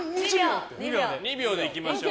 ２秒でいきましょう。